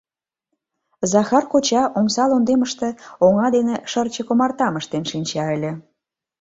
Захар коча омса лондемыште оҥа дене шырчык омартам ыштен шинча ыле.